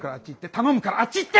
頼むあっち行って！